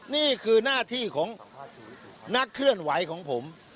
นี่คือหน้าที่ของนักเคลื่อนไหวของผม